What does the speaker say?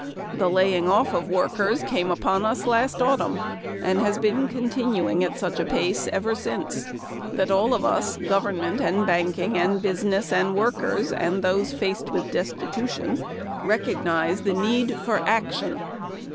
"... The laying off of workers came upon us last autumn and has been continuing at such a pace ever since that all of us, government and banking and business and workers, and those faced with destitution, recognize the need for action."